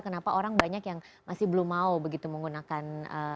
kenapa orang banyak yang masih belum mau begitu menggunakan